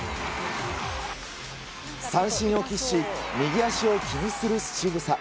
三振を喫し右足を気にするしぐさ。